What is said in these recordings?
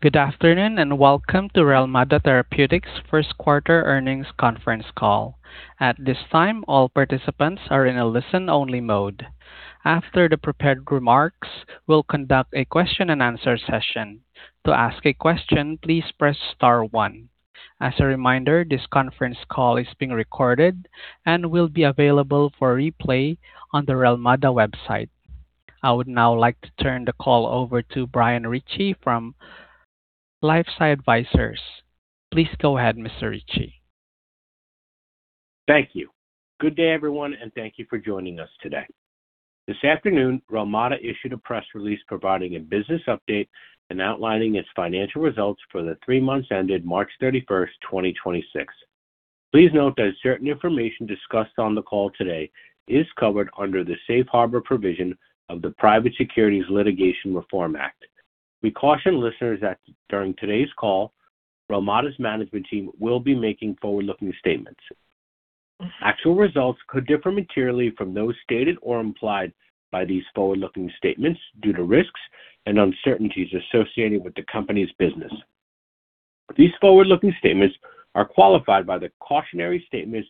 Good afternoon, and welcome to Relmada Therapeutics first quarter earnings conference call. I would now like to turn the call over to Brian Ritchie from LifeSci Advisors. Please go ahead, Mr. Ritchie. Thank you. Good day, everyone, and thank you for joining us today. This afternoon, Relmada issued a press release providing a business update and outlining its financial results for the three months ended 31st March 2026. Please note that certain information discussed on the call today is covered under the safe harbor provision of the Private Securities Litigation Reform Act. We caution listeners that during today's call, Relmada's management team will be making forward-looking statements. Actual results could differ materially from those stated or implied by these forward-looking statements due to risks and uncertainties associated with the company's business. These forward-looking statements are qualified by the cautionary statements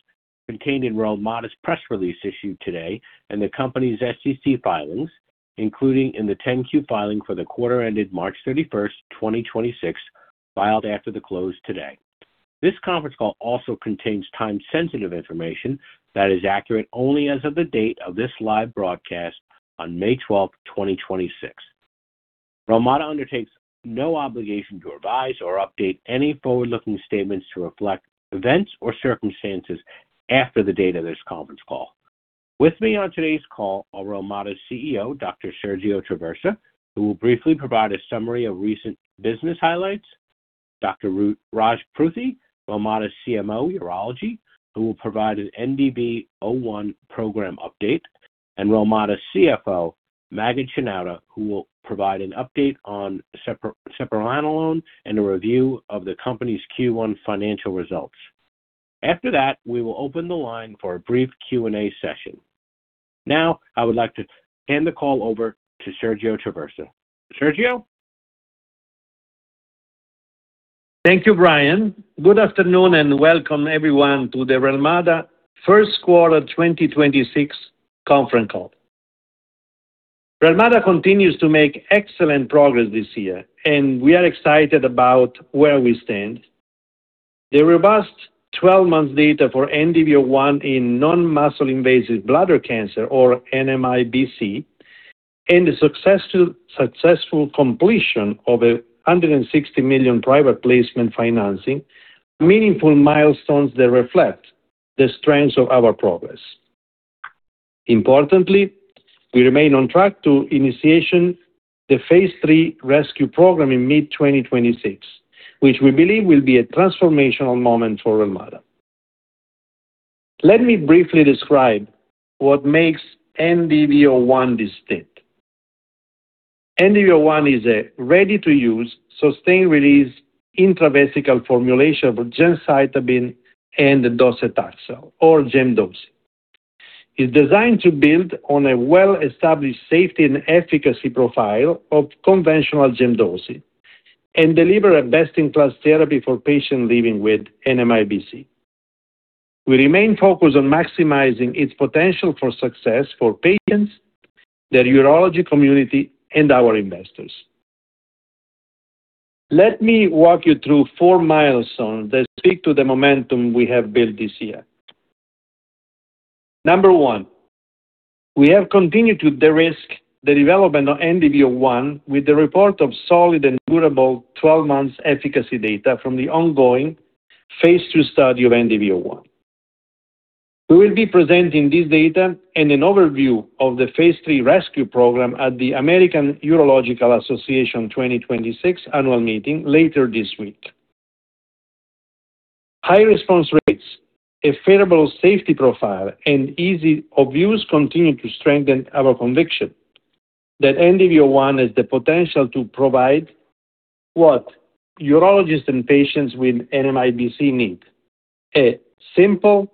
contained in Relmada's press release issued today and the company's SEC filings, including in the 10-Q filing for the quarter ended 31st March 2026, filed after the close today. This conference call also contains time-sensitive information that is accurate only as of the date of this live broadcast on 12th May 2026. Relmada undertakes no obligation to revise or update any forward-looking statements to reflect events or circumstances after the date of this conference call. With me on today's call are Relmada's CEO, Dr. Sergio Traversa, who will briefly provide a summary of recent business highlights, Dr. Raj Pruthi, Relmada's CMO, Urology, who will provide an NDV-01 program update, and Relmada's CFO, Maged Shenouda, who will provide an update on sepranolone and a review of the company's Q1 financial results. After that, we will open the line for a brief Q&A session. I would like to hand the call over to Sergio Traversa. Sergio. Thank you, Brian. Good afternoon, and welcome everyone to the Relmada first quarter 2026 conference call. Relmada continues to make excellent progress this year, and we are excited about where we stand. The robust 12-month data for NDV-01 in non-muscle invasive bladder cancer, or NMIBC, and the successful completion of a $160 million private placement financing, meaningful milestones that reflect the strengths of our progress. Importantly, we remain on track to initiation the phase III RESCUE program in mid-2026, which we believe will be a transformational moment for Relmada. Let me briefly describe what makes NDV-01 distinct. NDV-01 is a ready-to-use, sustained-release, intravesical formulation of gemcitabine and docetaxel, or Gem/Doce. It's designed to build on a well-established safety and efficacy profile of conventional Gem/Doce and deliver a best-in-class therapy for patients living with NMIBC. We remain focused on maximizing its potential for success for patients, the urology community, and our investors. Let me walk you through four milestones that speak to the momentum we have built this year. Number one, we have continued to de-risk the development of NDV-01 with the report of solid and durable 12-month efficacy data from the ongoing phase II study of NDV-01. We will be presenting this data and an overview of the phase III RESCUE program at the American Urological Association 2026 annual meeting later this week. High response rates, a favorable safety profile, and ease of use continue to strengthen our conviction that NDV-01 has the potential to provide what urologists and patients with NMIBC need, a simple,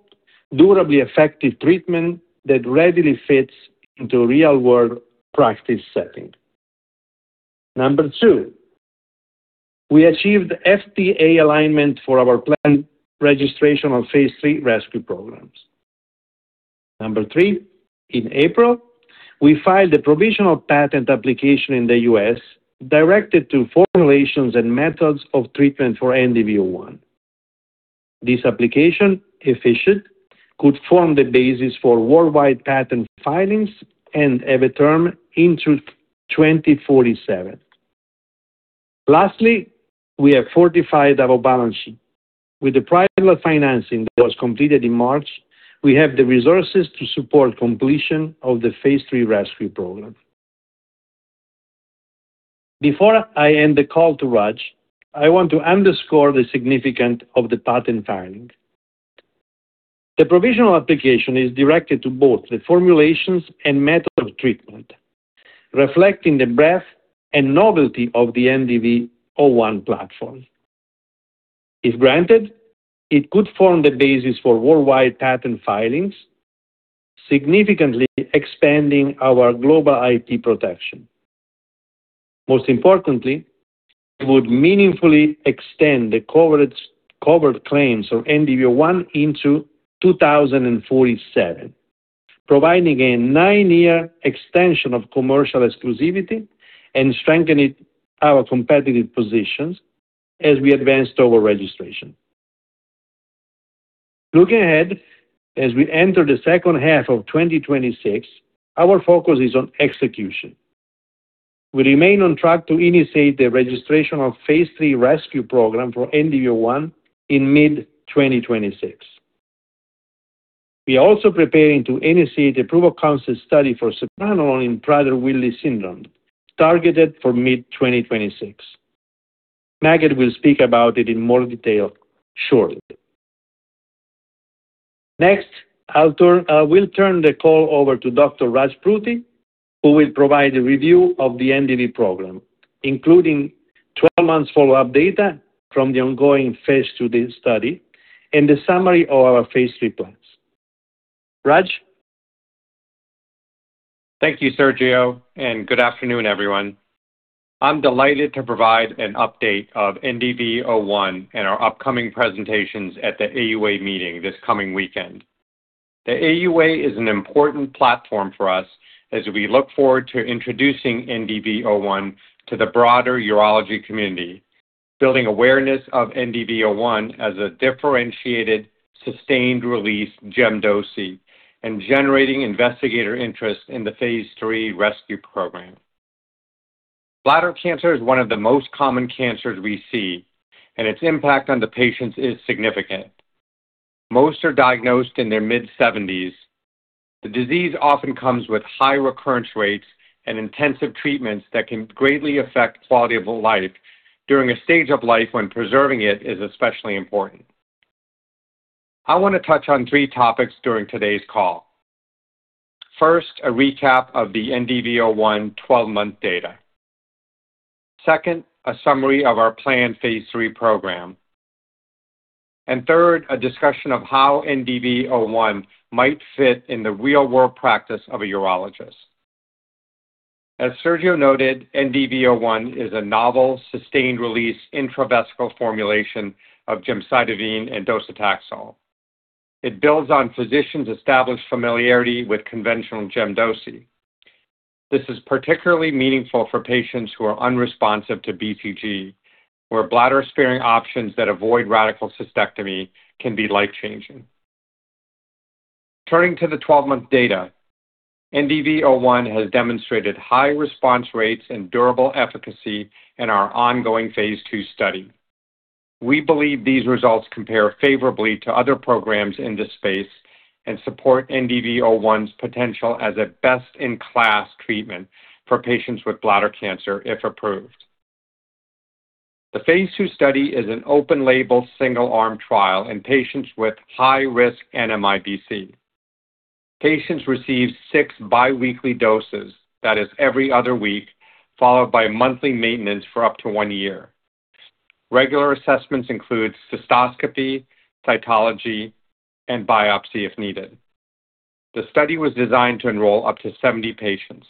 durably effective treatment that readily fits into real-world practice setting. Number one, we achieved FDA alignment for our planned registration of phase III RESCUE programs. Number three, in April, we filed a provisional patent application in the U.S. directed to formulations and methods of treatment for NDV-01. This application, if issued, could form the basis for worldwide patent filings and have a term into 2047. Lastly, we have fortified our balance sheet. With the private financing that was completed in March, we have the resources to support completion of the phase III RESCUE program. Before I hand the call to Raj, I want to underscore the significance of the patent filing. The provisional application is directed to both the formulations and method of treatment, reflecting the breadth and novelty of the NDV-01 platform. If granted, it could form the basis for worldwide patent filings, significantly expanding our global IP protection. Most importantly, it would meaningfully extend the coverage, covered claims of NDV-01 into 2047, providing a nine year extension of commercial exclusivity and strengthening our competitive positions as we advance toward registration. Looking ahead, as we enter the second half of 2026, our focus is on execution. We remain on track to initiate the registration of phase III RESCUE program for NDV-01 in mid-2026. We are also preparing to initiate approval concept study for sepranolone in Prader-Willi syndrome, targeted for mid-2026. Maged will speak about it in more detail shortly. Next, I'll turn the call over to Dr. Raj Pruthi, who will provide a review of the NDV program, including 12 months follow-up data from the ongoing phase II study and the summary of our phase III plans. Raj? Thank you, Sergio. Good afternoon, everyone. I'm delighted to provide an update of NDV-01 and our upcoming presentations at the AUA meeting this coming weekend. The AUA is an important platform for us as we look forward to introducing NDV-01 to the broader urology community, building awareness of NDV-01 as a differentiated sustained release Gem/Doce, and generating investigator interest in the phase III RESCUE program. Bladder cancer is one of the most common cancers we see, and its impact on the patients is significant. Most are diagnosed in their mid-seventies. The disease often comes with high recurrence rates and intensive treatments that can greatly affect quality of life during a stage of life when preserving it is especially important. I want to touch on three topics during today's call. First, a recap of the NDV-01 12-month data. Second, a summary of our planned phase III program. Third, a discussion of how NDV-01 might fit in the real-world practice of a urologist. As Sergio Traversa noted, NDV-01 is a novel sustained release intravesical formulation of gemcitabine and docetaxel. It builds on physicians' established familiarity with conventional Gem/Doce. This is particularly meaningful for patients who are unresponsive to BCG, where bladder-sparing options that avoid radical cystectomy can be life-changing. Turning to the 12-month data, NDV-01 has demonstrated high response rates and durable efficacy in our ongoing phase II study. We believe these results compare favorably to other programs in this space and support NDV-01's potential as a best-in-class treatment for patients with bladder cancer if approved. The phase II study is an open-label single-arm trial in patients with high-risk NMIBC. Patients receive six biweekly doses, that is every other week, followed by monthly maintenance for up to one year. Regular assessments include cystoscopy, cytology, and biopsy if needed. The study was designed to enroll up to 70 patients.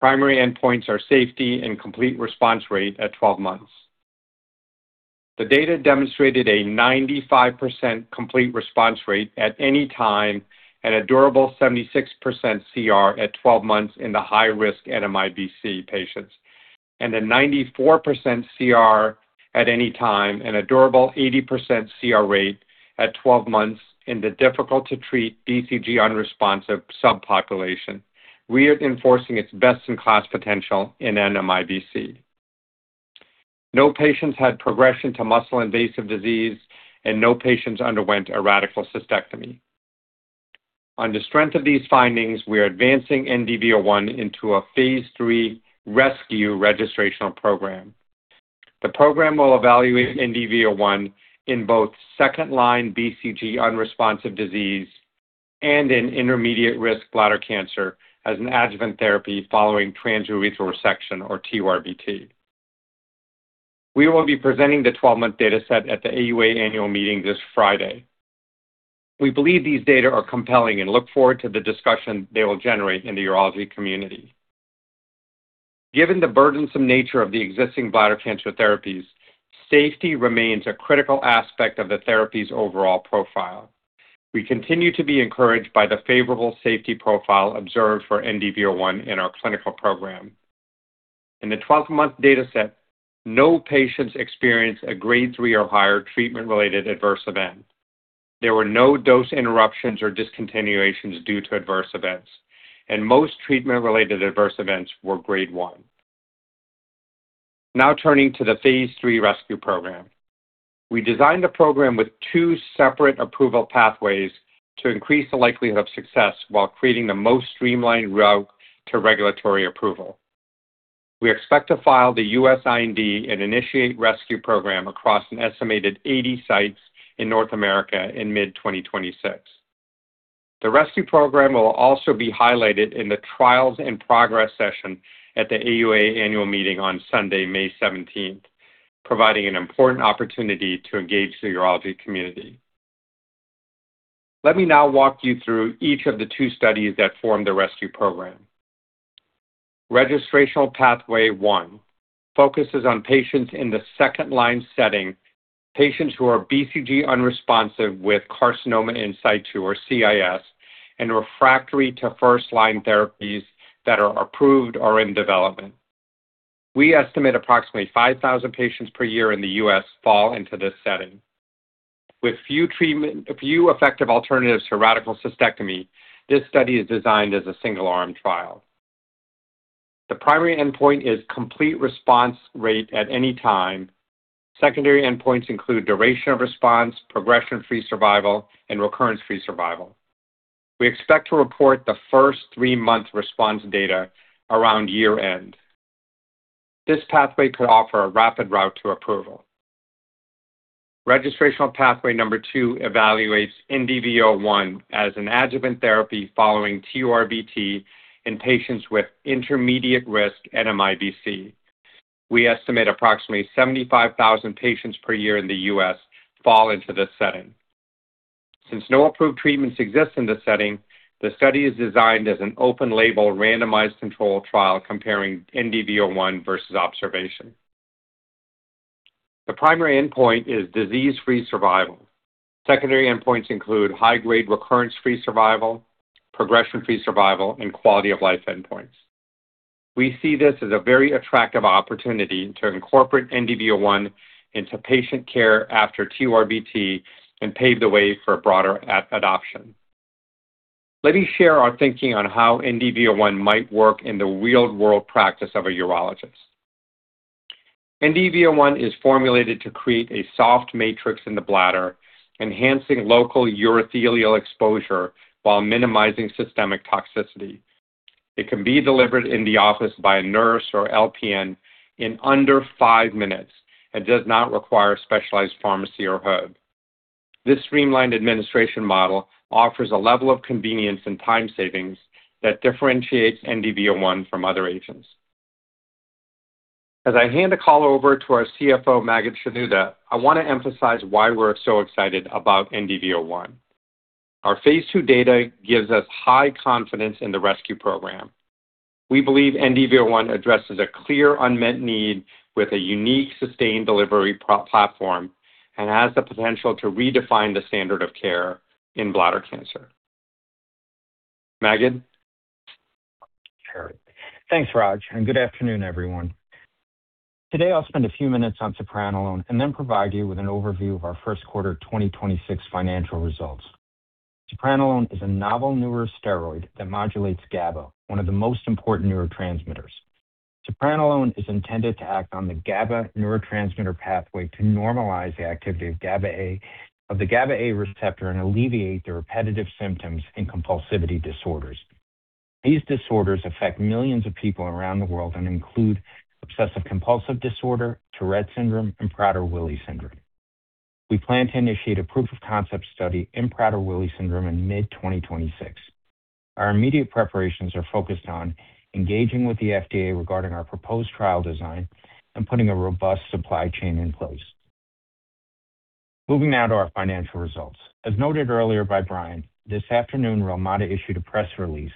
Primary endpoints are safety and complete response rate at 12 months. The data demonstrated a 95% complete response rate at any time and a durable 76% CR at 12 months in the high-risk NMIBC patients, and a 94% CR at any time and a durable 80% CR rate at 12 months in the difficult-to-treat BCG unresponsive subpopulation, reinforcing its best-in-class potential in NMIBC. No patients had progression to muscle-invasive disease, and no patients underwent a radical cystectomy. On the strength of these findings, we are advancing NDV-01 into a phase III RESCUE registrational program. The program will evaluate NDV-01 in both second-line BCG unresponsive disease and in intermediate-risk bladder cancer as an adjuvant therapy following transurethral resection or TURBT. We will be presenting the 12-month data set at the AUA annual meeting this Friday. We believe these data are compelling and look forward to the discussion they will generate in the urology community. Given the burdensome nature of the existing bladder cancer therapies, safety remains a critical aspect of the therapy's overall profile. We continue to be encouraged by the favorable safety profile observed for NDV-01 in our clinical program. In the 12-month data set, no patients experienced a grade three or higher treatment-related adverse event. There were no dose interruptions or discontinuations due to adverse events, and most treatment-related adverse events were grade one. Now turning to the phase III RESCUE program. We designed the program with two separate approval pathways to increase the likelihood of success while creating the most streamlined route to regulatory approval. We expect to file the U.S. IND and initiate RESCUE program across an estimated 80 sites in North America in mid-2026. The RESCUE program will also be highlighted in the Trials in Progress session at the AUA Annual Meeting on Sunday, May 17th, providing an important opportunity to engage the urology community. Let me now walk you through each of the two studies that form the RESCUE program. Registrational Pathway one focuses on patients in the 2nd-line setting, patients who are BCG unresponsive with carcinoma in situ, or CIS, and refractory to 1st-line therapies that are approved or in development. We estimate approximately 5,000 patients per year in the U.S. fall into this setting. With few effective alternatives to radical cystectomy, this study is designed as a single-arm trial. The primary endpoint is complete response rate at any time. Secondary endpoints include duration of response, progression-free survival, and recurrence-free survival. We expect to report the first three month response data around year-end. This pathway could offer a rapid route to approval. Registrational Pathway number evaluates NDV-01 as an adjuvant therapy following TURBT in patients with intermediate-risk NMIBC. We estimate approximately 75,000 patients per year in the U.S. fall into this setting. Since no approved treatments exist in this setting, the study is designed as an open-label, randomized controlled trial comparing NDV-01 versus observation. The primary endpoint is disease-free survival. Secondary endpoints include high-grade recurrence-free survival, progression-free survival, and quality-of-life endpoints. We see this as a very attractive opportunity to incorporate NDV-01 into patient care after TURBT and pave the way for broader adoption. Let me share our thinking on how NDV-01 might work in the real-world practice of a urologist. NDV-01 is formulated to create a soft matrix in the bladder, enhancing local urothelial exposure while minimizing systemic toxicity. It can be delivered in the office by a nurse or LPN in under 5 minutes and does not require a specialized pharmacy or hub. This streamlined administration model offers a level of convenience and time savings that differentiates NDV-01 from other agents. As I hand the call over to our CFO, Maged Shenouda, I want to emphasize why we're so excited about NDV-01. Our phase II data gives us high confidence in the RESCUE. We believe NDV-01 addresses a clear unmet need with a unique sustained delivery platform and has the potential to redefine the standard of care in bladder cancer. Maged? Sure. Thanks, Raj, and good afternoon, everyone. Today, I'll spend a few minutes on sepranolone and then provide you with an overview of our first quarter 2026 financial results. Sepranolone is a novel neurosteroid that modulates GABA, one of the most important neurotransmitters. Sepranolone is intended to act on the GABA neurotransmitter pathway to normalize the activity of the GABA A receptor and alleviate the repetitive symptoms in compulsivity disorders. These disorders affect millions of people around the world and include obsessive-compulsive disorder, Tourette syndrome, and Prader-Willi syndrome. We plan to initiate a proof-of-concept study in Prader-Willi syndrome in mid 2026. Our immediate preparations are focused on engaging with the FDA regarding our proposed trial design and putting a robust supply chain in place. Moving now to our financial results. As noted earlier by Brian, this afternoon, Relmada issued a press release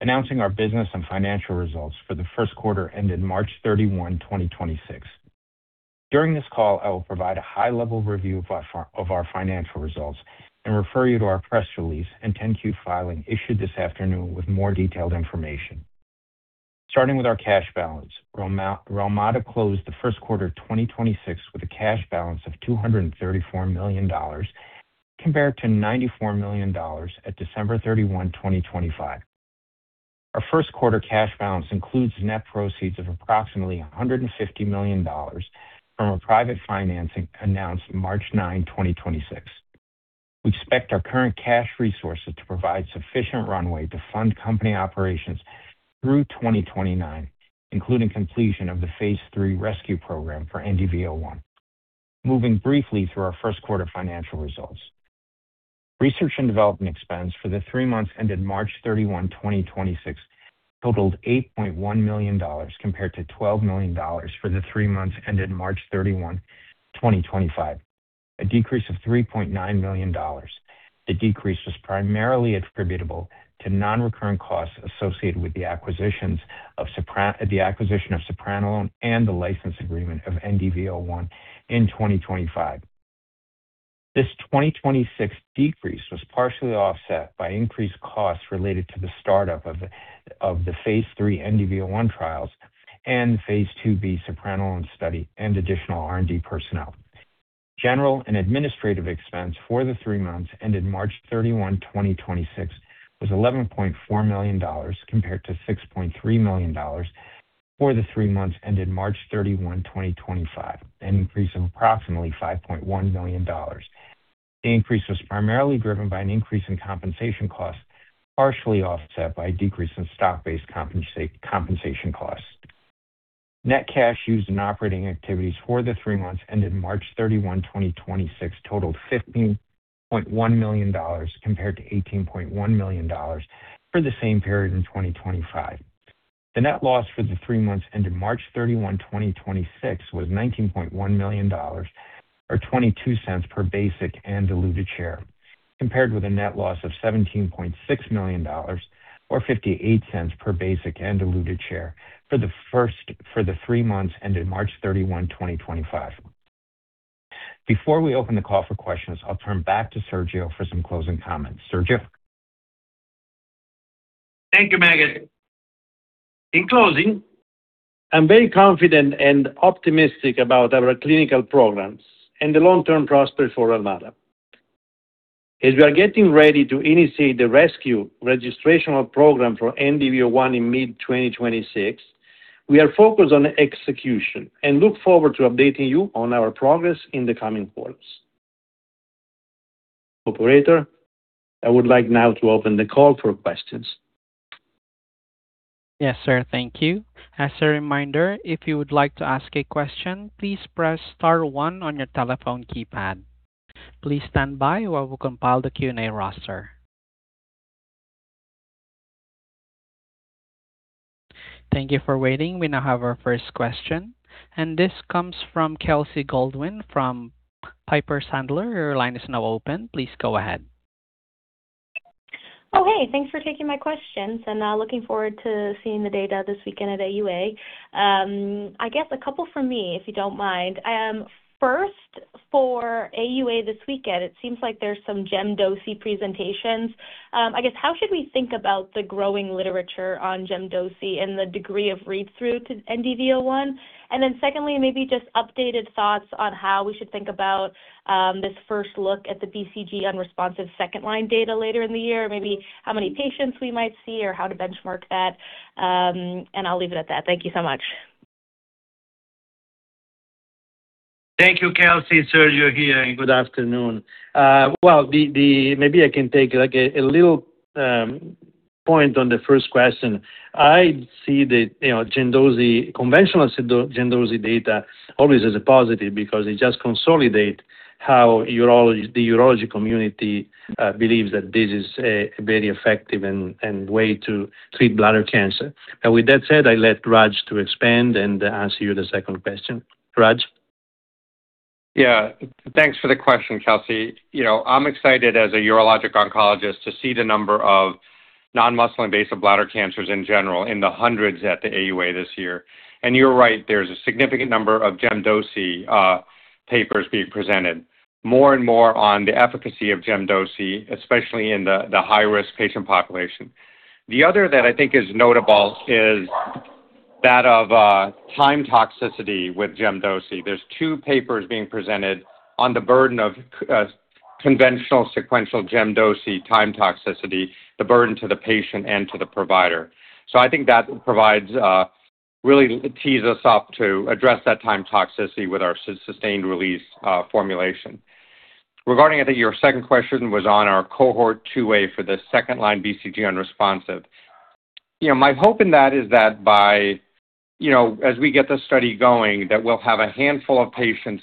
announcing our business and financial results for the 1st quarter ended 31st March 2026. During this call, I will provide a high-level review of our financial results and refer you to our press release and 10-Q filing issued this afternoon with more detailed information. Starting with our cash balance, Relmada closed the 1st quarter of 2026 with a cash balance of $234 million compared to $94 million at 31st December 2025. Our 1st quarter cash balance includes net proceeds of approximately $150 million from a private financing announced March 9, 2026. We expect our current cash resources to provide sufficient runway to fund company operations through 2029, including completion of the phase III RESCUE program for NDV-01. Moving briefly through our first quarter financial results. Research and development expense for the three months ended 31st March 2026 totaled $8.1 million, compared to $12 million for the three months ended 31st March 2025, a decrease of $3.9 million. The decrease was primarily attributable to non-recurrent costs associated with the acquisition of sepranolone and the license agreement of NDV-01 in 2025. This 2026 decrease was partially offset by increased costs related to the startup of the phase III NDV-01 trials and phase II-B sepranolone study and additional R&D personnel. General and administrative expense for the three months ended 31st March 2026, was $11.4 million compared to $6.3 million for the three months ended 31st March 2025, an increase of approximately $5.1 million. The increase was primarily driven by an increase in compensation costs, partially offset by a decrease in stock-based compensation costs. Net cash used in operating activities for the three months ended 31st March 2026, totaled $15.1 million compared to $18.1 million for the same period in 2025. The net loss for the three months ended 31st March 2026, was $19.1 million, or $0.22 per basic and diluted share, compared with a net loss of $17.6 million or $0.58 per basic and diluted share for the three months ended 31st March 2025. Before we open the call for questions, I'll turn back to Sergio for some closing comments. Sergio. Thank you, Maged. In closing, I'm very confident and optimistic about our clinical programs and the long-term prospects for Relmada. As we are getting ready to initiate the RESCUE registrational program for NDV-01 in mid-2026, we are focused on execution and look forward to updating you on our progress in the coming quarters. Operator, I would like now to open the call for questions. Yes, sir. Thank you. As a reminder, if you would like to ask a question, please press star one on your telephone keypad. Please stand by while we compile the Q&A roster. Thank you for waiting. We now have our first question, and this comes from Kelsey Gold from Piper Sandler. Your line is now open. Please go ahead. Hey. Thanks for taking my questions. Looking forward to seeing the data this weekend at AUA. I guess a couple from me, if you don't mind. First, for AUA this weekend, it seems like there's some gemcitabine presentations. I guess how should we think about the growing literature on gemcitabine and the degree of read-through to NDV-01? Secondly, maybe just updated thoughts on how we should think about this first look at the BCG unresponsive second-line data later in the year. Maybe how many patients we might see or how to benchmark that. I'll leave it at that. Thank you so much. Thank you, Kelsey. Sergio here, good afternoon. Well, maybe I can take, like, a little point on the first question. I see the, you know, gemcitabine, conventional gemcitabine data always as a positive because it just consolidate how urology, the urology community, believes that this is a very effective and way to treat bladder cancer. With that said, I let Raj to expand and answer you the second question. Raj. Yeah. Thanks for the question, Kelsey. You know, I'm excited as a urologic oncologist to see the number of non-muscle invasive bladder cancers in general in the hundreds at the AUA this year. You're right, there's a significant number of gemcitabine papers being presented more and more on the efficacy of gemcitabine, especially in the high-risk patient population. The other that I think is notable is that of time toxicity with gemcitabine. There's two papers being presented on the burden of conventional sequential gemcitabine time toxicity, the burden to the patient and to the provider. I think that provides really tees us up to address that time toxicity with our sustained-release formulation. Regarding I think your second question was on our cohort two way for the second-line BCG unresponsive. You know, my hope in that is that by, you know, as we get this study going, that we'll have a handful of patients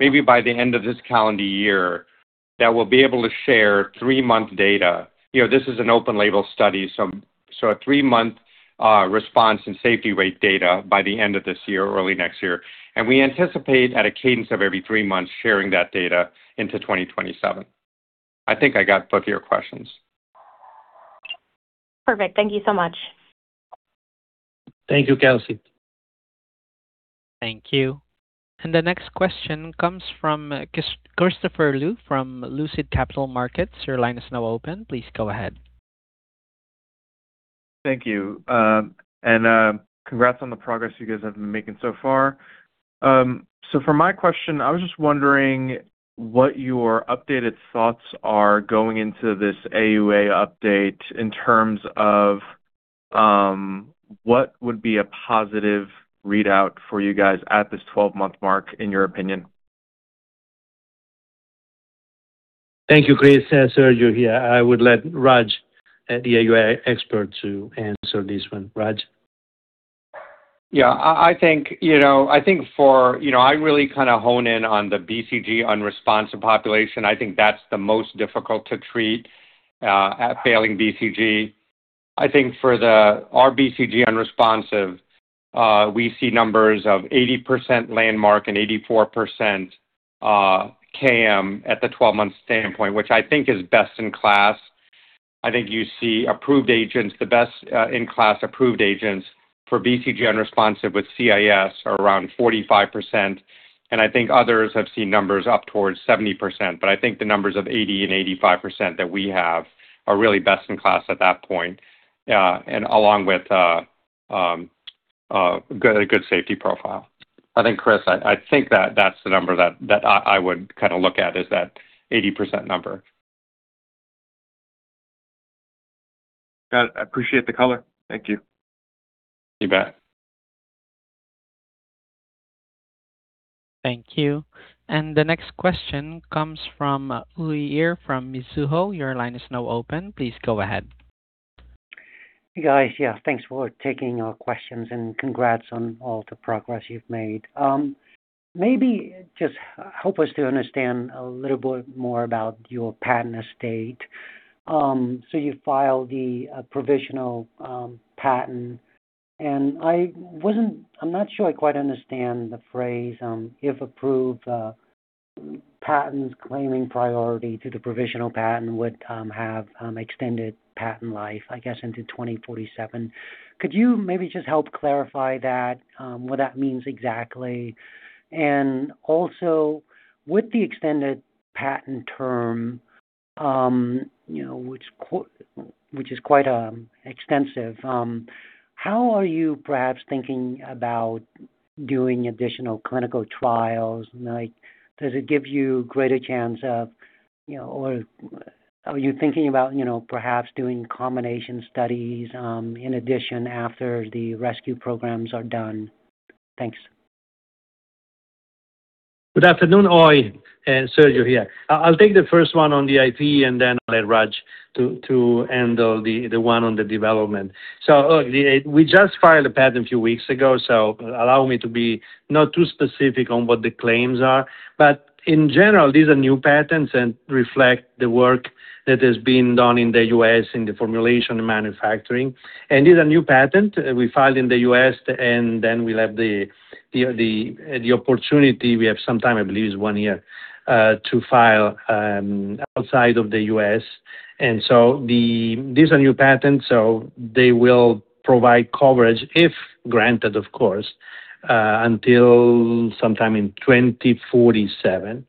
maybe by the end of this calendar year that will be able to share three month data. You know, this is an open label study, so a three month response and safety rate data by the end of this year or early next year. We anticipate at a cadence of every three months sharing that data into 2027. I think I got both of your questions. Perfect. Thank you so much. Thank you, Kelsey. Thank you. The next question comes from Christopher Lui from Lucid Capital Markets. Your line is now open. Please go ahead. Thank you. Congrats on the progress you guys have been making so far. For my question, I was just wondering what your updated thoughts are going into this AUA update in terms of what would be a positive readout for you guys at this 12-month mark, in your opinion. Thank you, Chris. Sergio here. I would let Raj, the AUA expert, to answer this one. Raj. Yeah. I think, you know, I really kind of hone in on the BCG unresponsive population. I think that's the most difficult to treat at failing BCG. I think for our BCG unresponsive, we see numbers of 80% landmark and 84% KM at the 12-month standpoint, which I think is best in class. I think you see approved agents, the best in-class approved agents for BCG unresponsive with CIS are around 45%. I think others have seen numbers up towards 70%. I think the numbers of 80% and 85% that we have are really best in class at that point, and along with a good safety profile. I think, Chris, I think that's the number that I would kinda look at is that 80% number. Got it. I appreciate the color. Thank you. You bet. Thank you. The next question comes from Uy Ear from Mizuho. Your line is now open. Please go ahead. Hey, guys. Yeah, thanks for taking our questions, and congrats on all the progress you've made. Maybe just help us to understand a little bit more about your patent estate. You filed the provisional patent, and I'm not sure I quite understand the phrase, if approved, patents claiming priority to the provisional patent would have extended patent life, I guess, into 2047. Could you maybe just help clarify that, what that means exactly? Also, with the extended patent term, you know, which is quite extensive, how are you perhaps thinking about doing additional clinical trials? Like, does it give you greater chance of, you know, or are you thinking about, you know, perhaps doing combination studies in addition after the RESCUE programs are done? Thanks. Good afternoon, Uy Ear. Sergio here. I'll take the first one on the IP and then let Raj to handle the one on the development. Look, the we just filed a patent a few weeks ago, so allow me to be not too specific on what the claims are. In general, these are new patents and reflect the work that has been done in the U.S. in the formulation and manufacturing. These are new patent we filed in the U.S., and then we'll have the opportunity, we have some time, I believe it's one year, to file outside of the U.S. These are new patents, so they will provide coverage, if granted, of course, until sometime in 2047.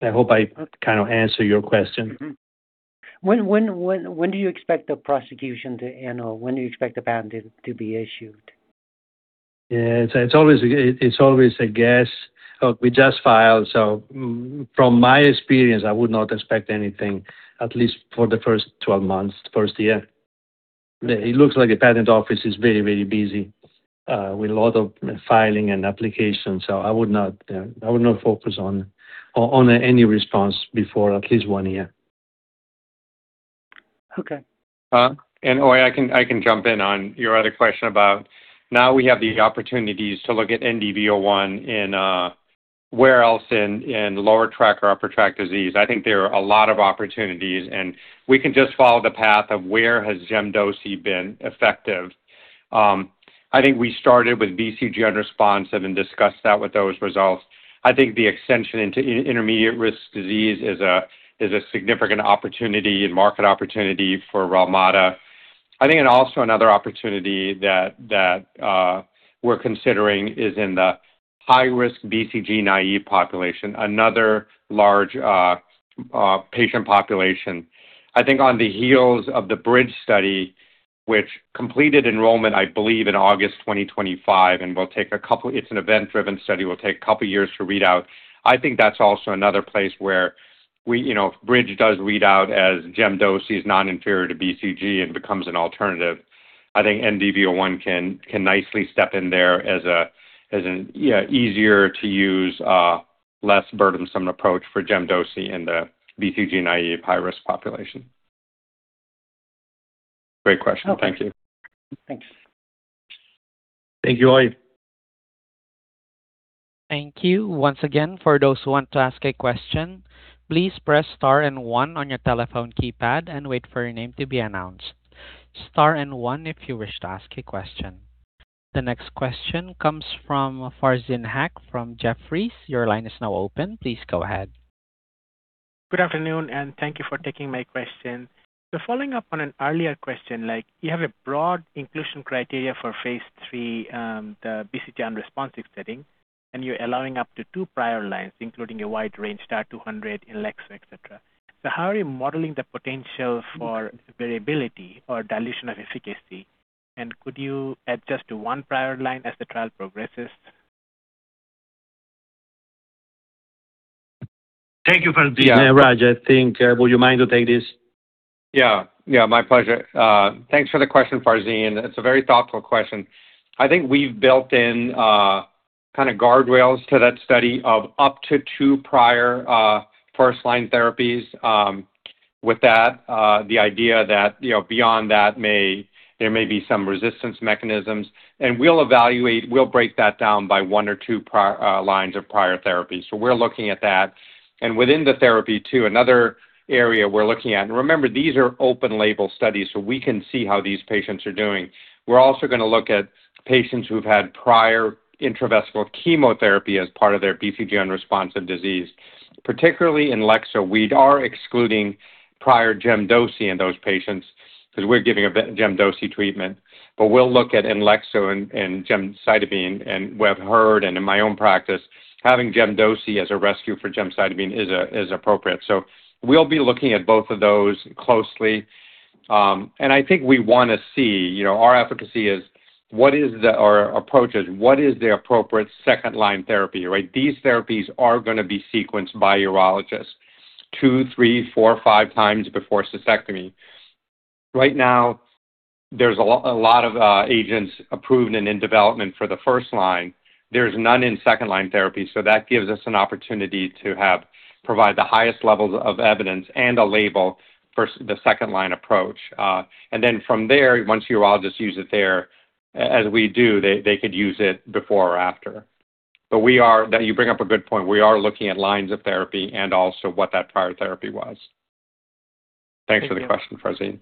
I hope I kind of answer your question. When do you expect the prosecution to end, or when do you expect the patent to be issued? Yeah. It's always a guess. Look, we just filed, so from my experience, I would not expect anything, at least for the first 12 months, the first year. It looks like the patent office is very, very busy, with a lot of filing and applications, so I would not, I would not focus on any response before at least one year. Okay. Uy Ear, I can jump in on your other question about now we have the opportunities to look at NDV-01 in where else in lower track or upper track disease. I think there are a lot of opportunities, we can just follow the path of where has gemcitabine been effective. I think we started with BCG unresponsive and discussed that with those results. I think the extension into intermediate risk disease is a significant opportunity and market opportunity for Relmada. I think also another opportunity that we're considering is in the high-risk BCG naive population, another large patient population. I think on the heels of the BRIDGE study, which completed enrollment, I believe, in August 2025. It's an event-driven study, will take a couple years to read out. I think that's also another place where we, you know, if BRIDGE does read out as gemcitabine is non-inferior to BCG and becomes an alternative, I think NDV-01 can nicely step in there as a, as an, yeah, easier-to-use, less burdensome approach for gemcitabine in the BCG naive high-risk population. Great question. Thank you. Thanks. Thank you, Uy Ear. Thank you. Once again, for those who want to ask a question, please press star and one on your telephone keypad and wait for your name to be announced. Star and one if you wish to ask a question. The next question comes from Farzin Haque from Jefferies. Your line is now open. Please go ahead. Good afternoon. Thank you for taking my question. Following up on an earlier question, like you have a broad inclusion criteria for phase III, the BCG unresponsive setting, and you're allowing up to two prior lines, including a wide range, TAR-200, Anktiva, etc. How are you modeling the potential for variability or dilution of efficacy, and could you adjust to one prior line as the trial progresses? Thank you, Farzin. Yeah. Raj, I think, would you mind to take this? My pleasure. Thanks for the question, Farzin. It's a very thoughtful question. I think we've built in kind of guardrails to that study of up to two prior first-line therapies, with the idea that, you know, beyond that there may be some resistance mechanisms. We'll evaluate, we'll break that down by one or two lines of prior therapy. We're looking at that. Within the therapy too, another area we're looking at, and remember, these are open-label studies, so we can see how these patients are doing. We're also going to look at patients who've had prior intravesical chemotherapy as part of their BCG-unresponsive disease. Particularly Anktiva, we are excluding prior gemcitabine in those patients because we're giving a gemcitabine treatment. We'll look at Anktiva and gemcitabine, and we have heard, and in my own practice, having gemcitabine as a rescue for gemcitabine is appropriate. I think we wanna see, you know, our efficacy is what is the our approach is what is the appropriate second-line therapy, right? These therapies are gonna be sequenced by urologists 2, 3, 4, 5x before cystectomy. Right now, there's a lot of agents approved and in development for the first-line. There's none in second-line therapy, that gives us an opportunity to provide the highest levels of evidence and a label for the second-line approach. From there, once urologists use it there, as we do, they could use it before or after. That you bring up a good point. We are looking at lines of therapy and also what that prior therapy was. Thanks for the question,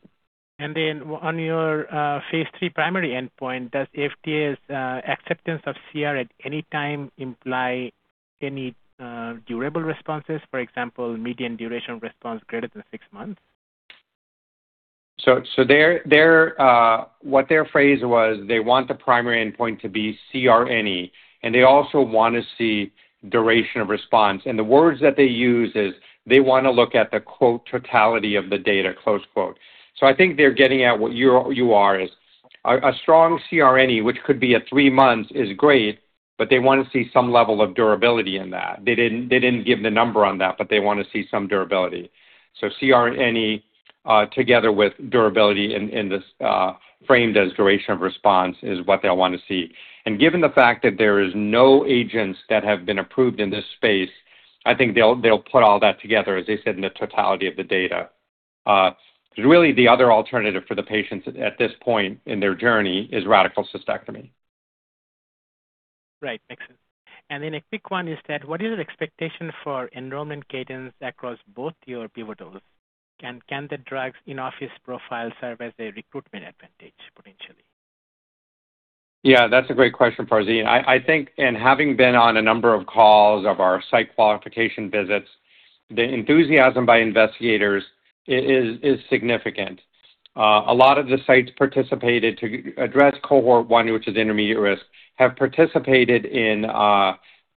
Farzin. Then on your phase III primary endpoint, does FDA's acceptance of CR at any time imply any durable responses, for example, median duration response greater than six months? Their phrase was, they want the primary endpoint to be CR, and they also want to see duration of response. The words that they use is they want to look at the, quote, "totality of the data," close quote. I think they're getting at what you are, is a strong CR, which could be at three months, is great, but they want to see some level of durability in that. They didn't give the number on that, but they want to see some durability. CR, together with durability in this, framed as duration of response is what they'll want to see. Given the fact that there is no agents that have been approved in this space, I think they'll put all that together, as they said, in the totality of the data. Really the other alternative for the patients at this point in their journey is radical cystectomy. Right. Makes sense. Then a quick one is that what is your expectation for enrollment cadence across both your pivotals? Can the drug's in-office profile serve as a recruitment advantage potentially? Yeah, that's a great question, Farzeen. I think, and having been on a number of calls of our site qualification visits, the enthusiasm by investigators is significant. A lot of the sites participated to address cohort one, which is intermediate risk, have participated in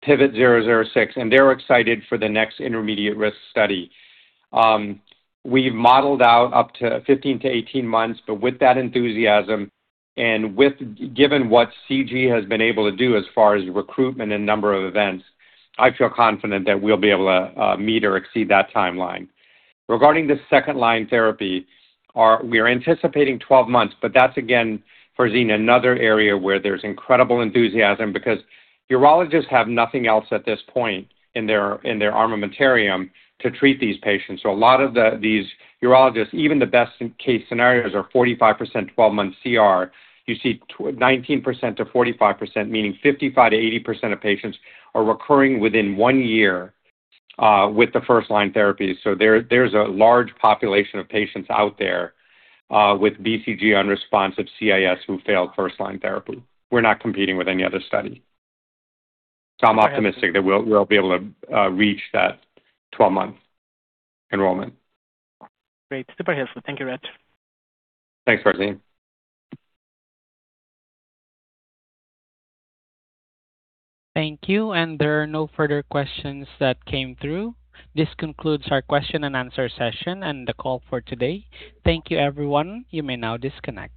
PIVOT-006, and they're excited for the next intermediate risk study. We've modeled out up to 15-18 months, but with that enthusiasm and given what CG has been able to do as far as recruitment and number of events, I feel confident that we'll be able to meet or exceed that timeline. Regarding the second-line therapy, we are anticipating 12 months, but that's again, Farzeen, another area where there's incredible enthusiasm because urologists have nothing else at this point in their armamentarium to treat these patients. A lot of these urologists, even the best in case scenarios, are 45% 12-month CR. You see 19%-45%, meaning 55%-80% of patients are recurring within one year with the first-line therapy. There's a large population of patients out there with BCG unresponsive CIS who failed first-line therapy. We're not competing with any other study. I'm optimistic that we'll be able to reach that 12-month enrollment. Great. Super helpful. Thank you, Rich. Thanks, Farzin. Thank you. There are no further questions that came through. This concludes our question and answer session and the call for today. Thank you, everyone. You may now disconnect.